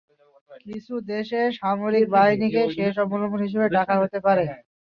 কিছু দেশে, সামরিক বাহিনীকে শেষ অবলম্বন হিসেবে ডাকা হতে পারে।